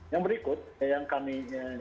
yang berikut yang kami